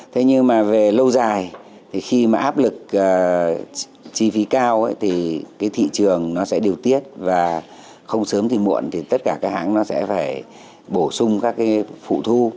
thế nhưng mà về lâu dài thì khi mà áp lực chi phí cao thì cái thị trường nó sẽ điều tiết và không sớm thì muộn thì tất cả các hãng nó sẽ phải bổ sung các cái phụ thu